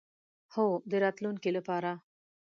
هو، د راتلونکی لپاره